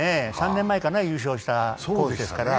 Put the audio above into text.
３年前かな、優勝したコースですから。